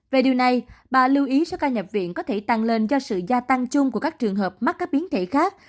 về điều này bà lưu ý số ca nhập viện có thể tăng lên do sự gia tăng chung của các trường hợp mắc các biến thể khác